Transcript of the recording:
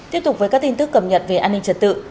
tiếp tục với các tin tức cập nhật về an ninh trật tự